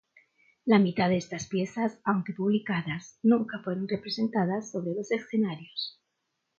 La mitad de estas piezas, aunque publicadas, nunca fueron representadas sobre los escenarios.